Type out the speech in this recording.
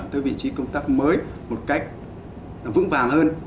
tới vị trí công tác mới một cách vững vàng hơn